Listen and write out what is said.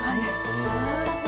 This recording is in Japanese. すばらしい。